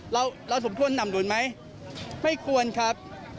เราสมควรนำรวมไหมไม่ควรครับ